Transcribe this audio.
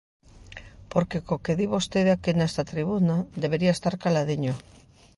Porque co que di vostede aquí nesta tribuna, debería estar caladiño.